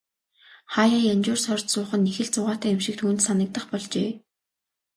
Хааяа янжуур сорж суух нь их л зугаатай юм шиг түүнд санагдах болжээ.